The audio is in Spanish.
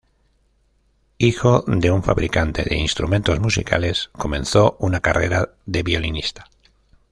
Hijo de un fabricante de instrumentos musicales, comenzó una carrera de violinista.